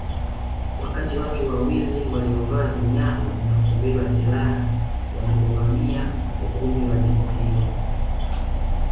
Wakati watu wawili waliovaa vinyago na kubeba silaha walipovamia ukumbi wa jengo hilo